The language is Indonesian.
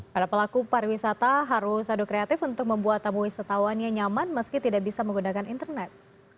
para pelaku pariwisata harus adu kreatif untuk membuat tamu wisatawannya nyaman meski tidak bisa menggunakan internet